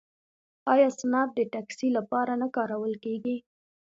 آیا اسنپ د ټکسي لپاره نه کارول کیږي؟